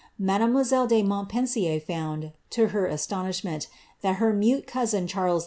Mademoiselle de Montpensier found, to her astonishment, that her mute cou8in Charles H.